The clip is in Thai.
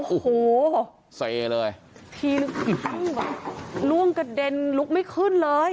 โอ้โหทีลึกครั้งล่วงกระเด็นลุกไม่ขึ้นเลย